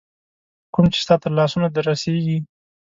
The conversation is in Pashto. کوم چي ستا تر لاسونو در رسیږي